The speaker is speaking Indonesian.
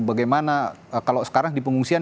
bagaimana kalau sekarang di pengungsian